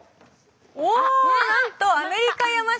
おなんとアメリカヤマシギ